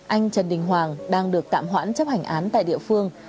anh trần đình hoàng đang được tạm hoãn chấp hành án tại địa phương